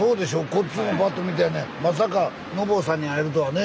こっちの方バッと見てやねまさかのぼうさんに会えるとはね。